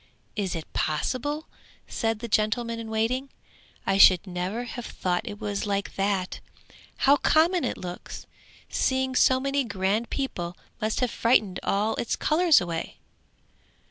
'Is it possible?' said the gentleman in waiting. 'I should never have thought it was like that. How common it looks! Seeing so many grand people must have frightened all its colours away.'